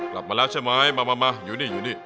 กลับมาแล้วใช่ไหมมาอยู่นี่